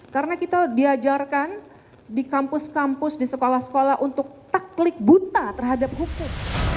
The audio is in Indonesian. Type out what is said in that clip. karena kita diajarkan di kampus kampus di sekolah sekolah untuk taklik buta terhadap hukum